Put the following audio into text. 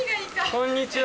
こんにちは。